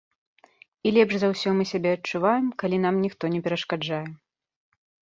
І лепш за ўсё мы сябе адчуваем, калі нам ніхто не перашкаджае.